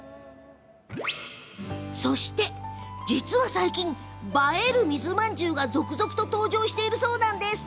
そして、実は最近映える水まんじゅうが続々と登場しているそうなんです。